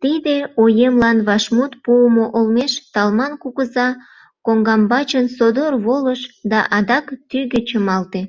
Тиде оемлан вашмут пуымо олмеш Талман кугыза коҥгамбачын содор волыш да адак тӱгӧ чымалте.